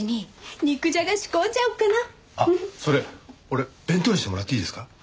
俺弁当にしてもらっていいですか？